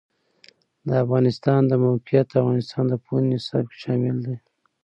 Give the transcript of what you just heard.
د افغانستان د موقعیت د افغانستان د پوهنې نصاب کې شامل دي.